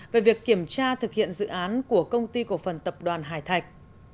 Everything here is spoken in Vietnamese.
về việc kiểm tra thực hiện dự án của công ty cổ phần tập đoàn hải thạch